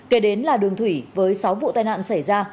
kế đến là đường thủy với sáu vụ tai nạn xảy ra